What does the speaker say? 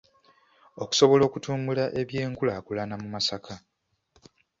Okusobola okutumbula eby’enkulaakulana mu Masaka.